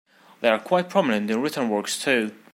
They are quite prominent in written works too.